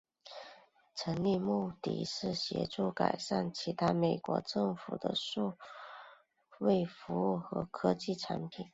成立目的是协助改善其他美国政府的数位服务与科技产品。